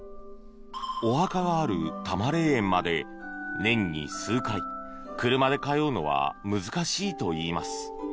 お墓がある多磨霊園まで年に数回車で通うのは難しいといいます。